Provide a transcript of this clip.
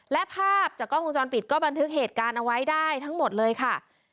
และภาพจากกล้องวงจรปิดก็บันทึกเหตุการณ์เอาไว้ได้ทั้งหมดเลยค่ะ